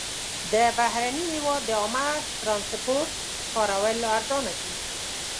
د بهرني هېواد د عامه ترانسپورټ کارول ارزانه دي.